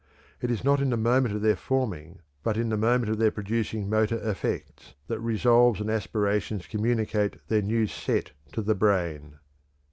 It is not in the moment of their forming, but in the moment of their producing motor effects, that resolves and aspirations communicate their new 'set' to the brain."